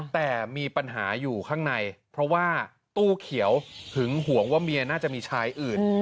แต่มีปัญหาอยู่ข้างในเพราะว่าตู้เขียวหึงห่วงว่าเมียน่าจะมีชายอื่น